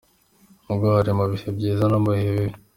Uba uhari mu bihe byiza no mu bihe bibi.